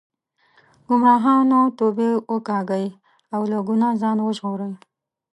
ګمراهانو توبې وکاږئ او له ګناه ځان وژغورئ.